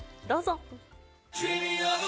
どうぞ。